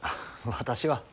私は。